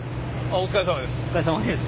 お疲れさまです。